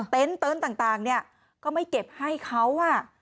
เต้นต่างก็ไม่เก็บให้เขา